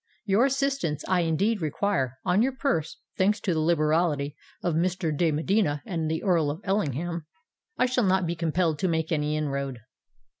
"Your assistance I indeed require: on your purse, thanks to the liberality of Mr. de Medina and the Earl of Ellingham, I shall not be compelled to make any inroad."